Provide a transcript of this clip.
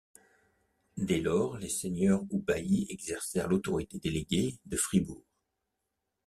Dès lors, les seigneurs ou baillis exercèrent l'autorité déléguée de Fribourg.